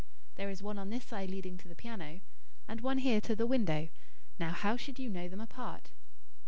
"There is one on this side leading to the piano, and one here to the window. Now how should you know them apart?"